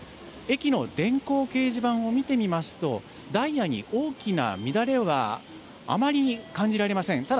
駅の電光掲示板を見てみますとダイヤに大きな乱れはあまり感じられません。